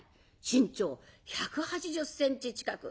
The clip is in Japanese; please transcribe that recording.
身長１８０センチ近く。